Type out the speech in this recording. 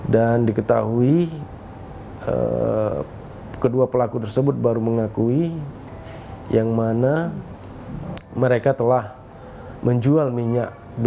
dan diketahui kedua pelaku tersebut baru mengakui yang mana mereka telah menjual minyak